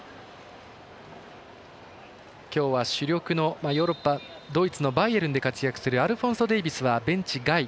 今日は主力のヨーロッパのバイエルンで活躍するアルフォンソ・デイビスはベンチ外。